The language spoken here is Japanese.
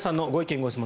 ・ご質問